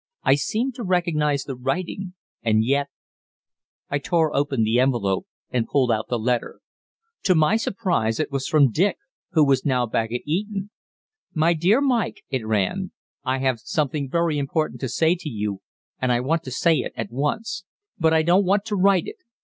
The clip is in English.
I seemed to recognize the writing, and yet I tore open the envelope and pulled out the letter. To my surprise it was from Dick, who was now back at Eton. "My dear Mike," it ran. "I have something very important to say to you, and I want to say it at once. But I don't want to write it.